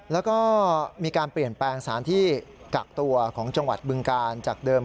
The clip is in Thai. แล้วก็มีการเปลี่ยนแปลงสถานที่กักตัวของจังหวัดบึงกาลจากเดิม